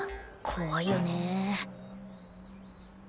怖いよね。